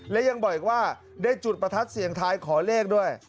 และยังบอกอีกว่าได้จุดประทัดเสียงทายขอเลขด้วย